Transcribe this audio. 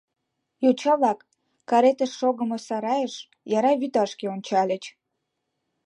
Йоча-влак карете шогымо сарайыш, яра вӱташке ончальыч.